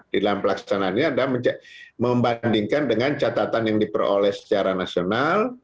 di dalam pelaksanaannya adalah membandingkan dengan catatan yang diperoleh secara nasional